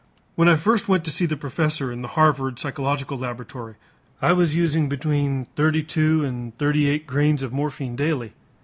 When I first went to see the professor in the Harvard Psychological Laboratory, I was using between thirty two and thirty eight grains of morphine daily.